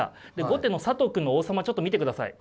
後手の佐藤くんの王様ちょっと見てください。